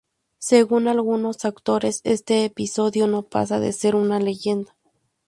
Según algunos autores, este episodio no pasa de ser una leyenda.